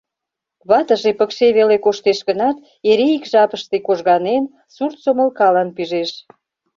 Ватыже пыкше веле коштеш гынат, эре ик жапыште кожганен, сурт сомылкалан пижеш.